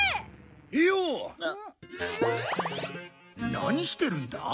何してるんだ？